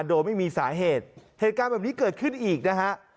โดยไม่มีสาเหตุเหตุการณ์แบบนี้เกิดขึ้นอีกนะฮะ